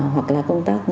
hoặc là công tác